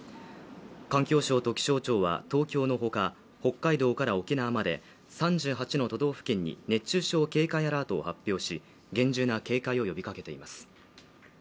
環境省と気象庁は東京のほか北海道から沖縄まで３８の都道府県に熱中症警戒アラートを発表し厳重な警戒を呼びかけています